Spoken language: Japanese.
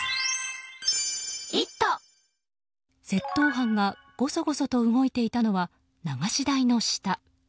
窃盗犯がごそごそと動いていたのは流し台の下。